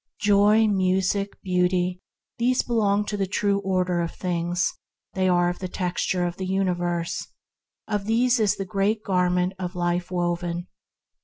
Joy, Music, Beauty: these belong to the True Order of things; they are of the texture of the universe; of these is the divine Garment of Life woven.